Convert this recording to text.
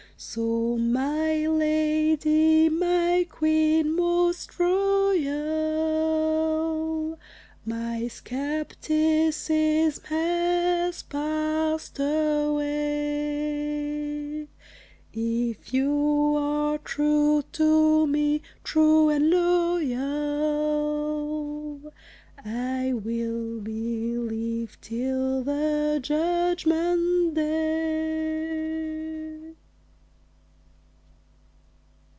So my lady, my queen most royal, My skepticism has passed away; If you are true to me, true and loyal, I will believe till the Judgment day.